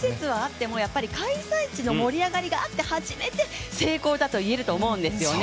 開催地の盛り上がりがあって初めて成功だと言えると思うんですよね、